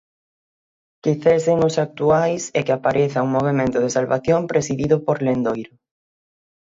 Que cesen os actuais e que apareza un movemento de salvación presidido por Lendoiro.